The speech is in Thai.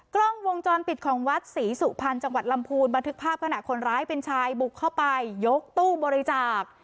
กล้องวงจรปิดของวัดศรีสุพรรณจังหวัดลำพูนบันทึกภาพขณะคนร้ายเป็นชายบุกเข้าไปยกตู้บริจาค